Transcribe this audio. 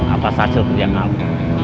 apasal sel kerja kamu